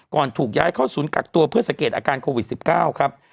ถูกย้ายเข้าศูนย์กักตัวเพื่อสังเกตอาการโควิด๑๙ครับ